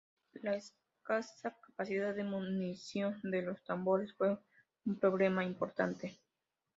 La escasa capacidad de munición de los tambores fue un problema importante.